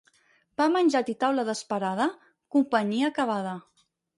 Pa menjat i taula desparada, companyia acabada.